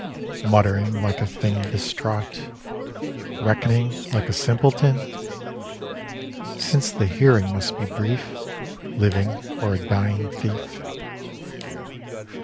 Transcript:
Muttering like a thing distraught, Reckoning like a simpleton? (Since the hearing must be brief, Living or a dying thief!)